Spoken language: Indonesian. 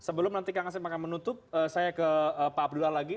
sebelum nanti kang asep akan menutup saya ke pak abdullah lagi